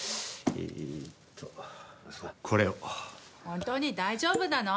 本当に大丈夫なの？